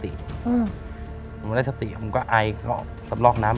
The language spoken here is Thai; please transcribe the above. ที่ที่หัวผมได้สติผมอายก็สับรอกน้ำออกมา